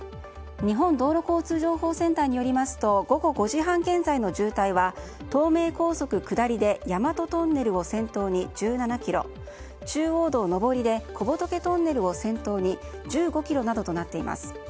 日本道路交通情報センターによりますと午後５時半現在の渋滞は東名高速下りで大和トンネルを先頭に１７ｋｍ中央道上りで小仏トンネルを先頭に１５ｋｍなどとなっています。